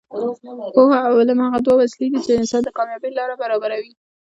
پوهه او علم هغه دوه وسلې دي چې د انسان د کامیابۍ لاره برابروي.